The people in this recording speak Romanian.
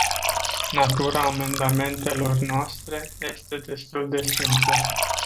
Natura amendamentelor noastre este destul de simplă.